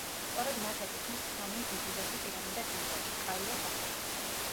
სწორედ მათ ეკუთვნით სამი უდიდესი პირამიდა გიზაში, კაიროს ახლოს.